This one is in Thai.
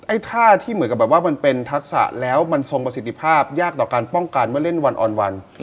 ท่าที่เหมือนกับแบบว่ามันเป็นทักษะแล้วมันทรงประสิทธิภาพยากต่อการป้องกันเมื่อเล่นวันอ่อนวัน